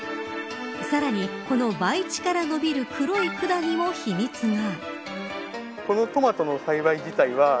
さらにこの培地からのびる黒い管にも秘密が。